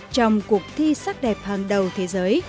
trong cuộc thi sắc đẹp hàng đầu thế giới